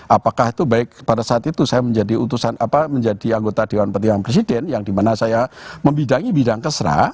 apakah itu baik pada saat itu saya menjadi utusan apa menjadi anggota dewan pertimbangan presiden yang dimana saya membidangi bidang kesra